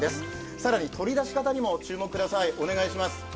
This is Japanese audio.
更に取り出し方にもご注目ください。